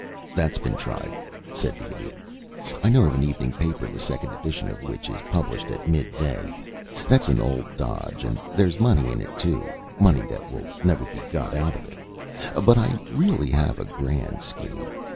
"That's been tried," said the Idiot. "I know of an evening paper the second edition of which is published at mid day. That's an old dodge, and there's money in it, too money that will never be got out of it. But I really have a grand scheme.